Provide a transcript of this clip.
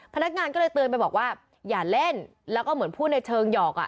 พนักงานก็เลยเตือนไปบอกว่าอย่าเล่นแล้วก็เหมือนพูดในเชิงหยอกอ่ะ